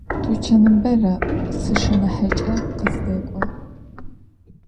Tuçanım bera sşşınahıç'e khızdek'o.